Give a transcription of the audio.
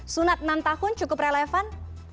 sunat enam tahun cukup relevan